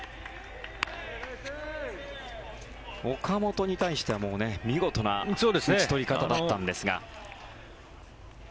岡本に対しては、見事な打ち取り方だったんですが。